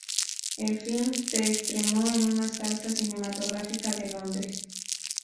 El film se estrenó en una sala cinematográfica de Londres.